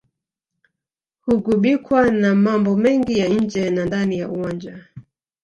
hugubikwa na mambo mengi ya nje na ndani ya uwanja